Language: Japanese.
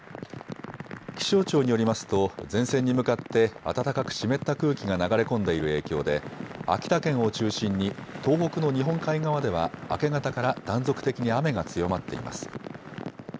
気象庁によりますと前線に向かって暖かく湿った空気が流れ込んでいる影響で秋田県を中心に東北の日本海側では明け方から断続的に雨が強まっています。